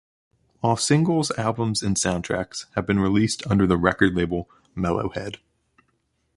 All singles, albums and soundtracks have been released under the record label Mellow Head.